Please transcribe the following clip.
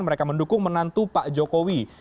mereka mendukung menantu pak jokowi